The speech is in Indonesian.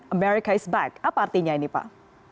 amerika is back apa artinya ini pak